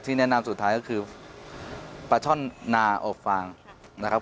แนะนำสุดท้ายก็คือปลาช่อนนาอบฟางนะครับ